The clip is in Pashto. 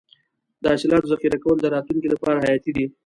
د حاصلاتو ذخیره کول د راتلونکي لپاره حیاتي دي.